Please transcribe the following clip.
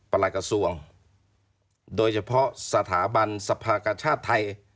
หลักกระทรวงโดยเฉพาะสถาบันสภากชาติไทย